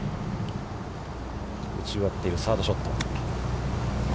打ち終わっている、サードショット。